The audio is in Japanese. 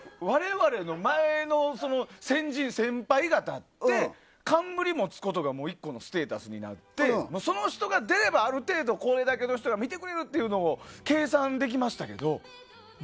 われわれの前の先人、先輩方って、冠持つことがもう１個のステータスになって、その人が出れば、ある程度、これだけの人が見てくれるっていうのを計算